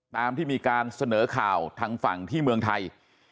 ตามที่มีการเสนอข่าวทางฝั่งที่เมืองไทย